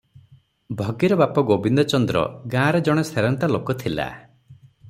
ଭଗିର ବାପ ଗୋବିନ୍ଦ ଚନ୍ଦ୍ର ଗାଁରେ ଜଣେ ସେରନ୍ତା ଲୋକ ଥିଲା ।